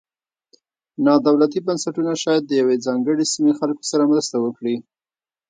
نا دولتي بنسټونه شاید د یوې ځانګړې سیمې خلکو سره مرسته وکړي.